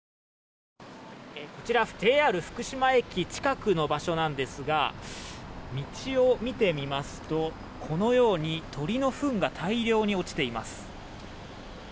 こちらＪＲ福島駅近くの場所なんですが道を見てみますとこのように鳥のふんが大量に落ちています。